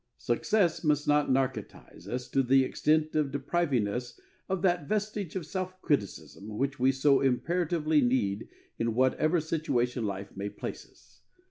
Success must not narcotise us to the extent of depriving us of that vestige of self criticism which we so imperatively need in whatever situation life may place us.